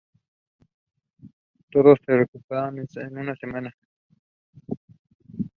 Todos se recuperaron en una semana.